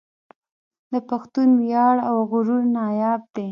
د پښتون وياړ او غرور ناياب دی